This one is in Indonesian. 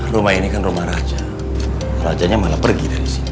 rumah ini kan rumah raja rajanya malah pergi dari sini